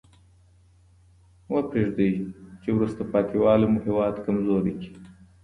مه پرېږدئ چي وروسته پاته والي مو هېواد کمزوری کړي.